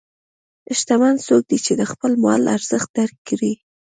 شتمن څوک دی چې د خپل مال ارزښت درک کړي.